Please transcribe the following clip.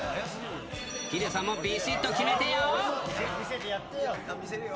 ヒデさんもびしっと決めてよ。